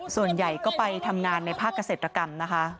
ส่วนใหญ่ก็ไปทำงานในภาคเกษตรกรรมนะคะ